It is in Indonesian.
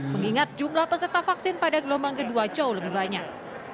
mengingat jumlah peserta vaksin pada gelombang kedua jauh lebih banyak